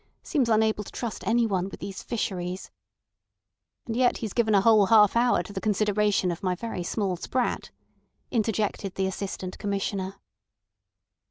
Seems unable to trust anyone with these Fisheries." "And yet he's given a whole half hour to the consideration of my very small sprat," interjected the Assistant Commissioner.